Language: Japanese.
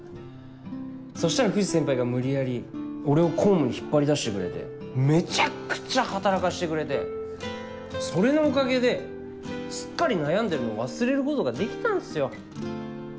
そしたら藤先輩が無理やり俺を公務に引っ張り出してくれてめちゃくちゃ働かしてくれてそれのおかげですっかり悩んでるのを忘れることができたんっすよ。